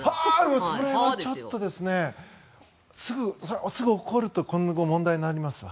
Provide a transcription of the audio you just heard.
それはちょっとですねすぐ怒ると今後、問題になりますわ。